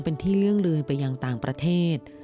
เป็นที่เลื่องเลยไปยังต่างประเทศ